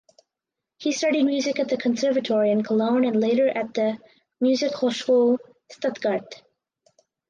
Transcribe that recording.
He studied music at the Conservatory in Cologne and later at the Musikhochschule Stuttgart.